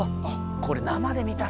これ生で見たら